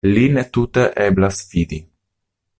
Lin tute eblas fidi.